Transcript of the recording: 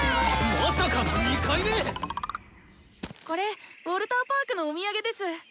これウォルターパークのお土産です。